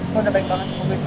lo udah pengen banget sama gue